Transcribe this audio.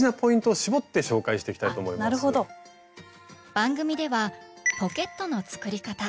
番組では「ポケットの作り方」。